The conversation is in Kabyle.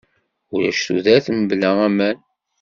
Ulac tudert mebla aman.